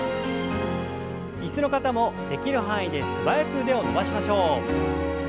椅子の方もできる範囲で素早く腕を伸ばしましょう。